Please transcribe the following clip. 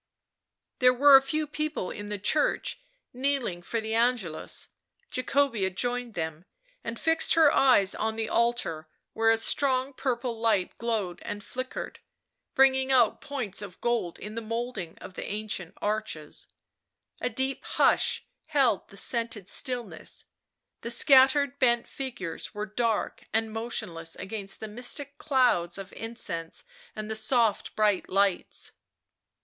There were a few people in the church, kneeling for the Angelus; Jacobea joined them and fixed her Digitized by UNIVERSITY OF MICHIGAN Original from UNIVERSITY OF MICHIGAN BLACK MAGIC 217 eyes on the altar, where a strong purple light glowed and flickered, bringing out points of gold in the moulding of the ancient arches. A deep hush held the scented stillness; the scattered bent figures were dark and motionless against the mystic clouds of incense and the soft bright lights.